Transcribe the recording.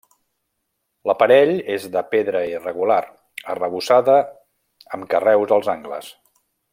L'aparell és de pedra irregular arrebossada amb carreus als angles.